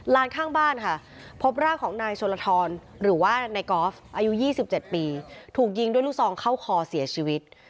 ข้างบ้านค่ะพบร่างของนายชนลทรหรือว่าในกอล์ฟอายุ๒๗ปีถูกยิงด้วยลูกซองเข้าคอเสียชีวิต